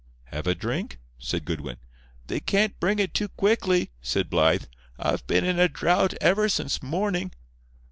"Have a drink?" said Goodwin. "They can't bring it too quickly," said Blythe. "I've been in a drought ever since morning.